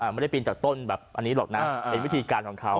ไม่ได้ปีนจากต้นแบบอันนี้หรอกนะเป็นวิธีการของเขา